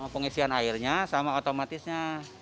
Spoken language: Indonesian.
pengisian airnya sama otomatisnya